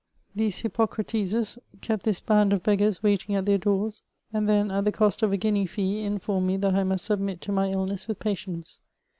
These Hippocrateses kept this band of beggars waitmg at their doors, and then, at the cost of a guinea fee, informed me that I must submit to my illnesa with patience.